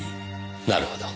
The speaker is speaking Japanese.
なるほど。